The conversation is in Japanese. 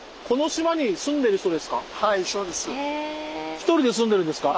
１人で住んでるんですか？